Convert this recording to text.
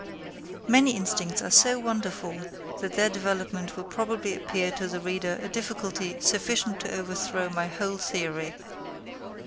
Many instincts are so wonderful that their development will probably appear to the reader a difficulty sufficient to overthrow my whole theory.